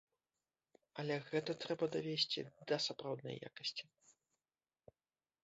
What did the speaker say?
Але гэта трэба давесці да сапраўднай якасці.